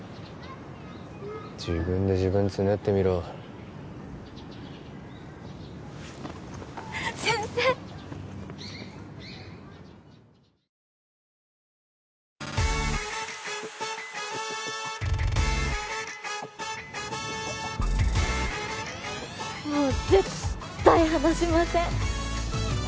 自分で自分つねってみろ先生もう絶対離しません